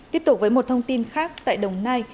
tiếp tục với một thông tin khác tại đồng nai